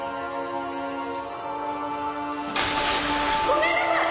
ごめんなさい！